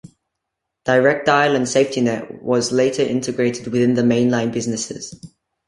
DirecDial and SafetyNet was later integrated within the mainline businesses.